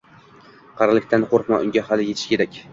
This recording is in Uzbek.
Qarilikdan qo`rqma, unga hali etish kerak